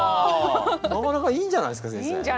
なかなかいいんじゃないすか先生？